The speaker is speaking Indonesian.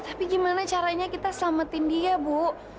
tapi gimana caranya kita selamatin dia bu